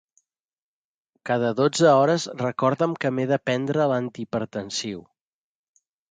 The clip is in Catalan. Cada dotze hores recorda'm que m'he de prendre l'antihipertensiu.